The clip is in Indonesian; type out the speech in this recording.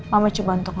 mama coba untuk